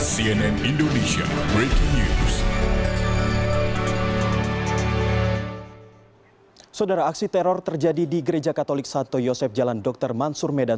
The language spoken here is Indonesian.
cnn indonesia breaking news